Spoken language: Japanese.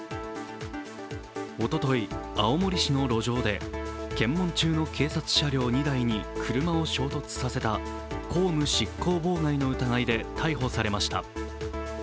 おととい、青森市の路上で検問中の警察車両２台に車を衝突させた公務執行妨害の疑いで逮捕されました。